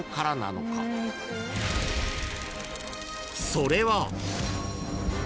［それは］